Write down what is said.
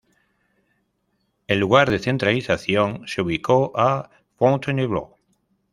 El lugar de centralización se ubicó a Fontainebleau.